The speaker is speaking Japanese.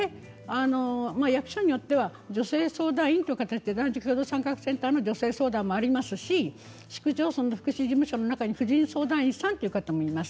役所によっては女性相談員という形で男女共同参画センターの女性相談もありますし市区町村の福祉事務所の中で婦人相談員さんもいます。